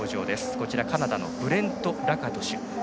こちらカナダのブレント・ラカトシュ。